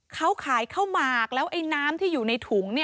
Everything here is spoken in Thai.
เขาขายข้าวหมากแล้วไอ้น้ำที่อยู่ในถุง